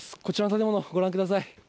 こちらを御覧ください